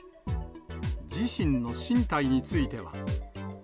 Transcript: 自身の進退については。